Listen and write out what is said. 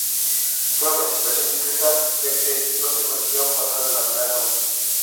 Fue una participación discreta ya que no consiguieron pasar de la primera ronda.